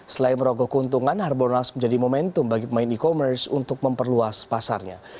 selain merogoh keuntungan harbolnas menjadi momentum bagi pemain e commerce untuk memperluas pasarnya